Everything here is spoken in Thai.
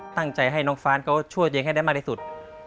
ตั้งใจให้น้องฟ้านเขาช่วยตัวเองให้ได้มากที่สุด